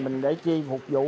mình để chi phục vụ